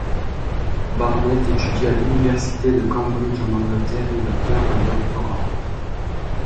Barnett étudie à l'université de Cambridge en Angleterre où il obtient un doctorat.